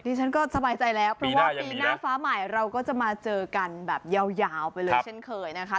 ฉันก็สบายใจแล้วเพราะว่าปีหน้าฟ้าใหม่เราก็จะมาเจอกันแบบยาวไปเลยเช่นเคยนะคะ